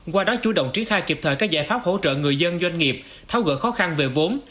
qua đó chủ động triển khai kịp thời các giải pháp hỗ trợ người dân doanh nghiệp tháo gỡ khó khăn về vốn